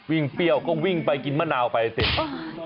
วิ่งเปรี้ยวก็วิ่งไปกินมะนาวไปเสร็จ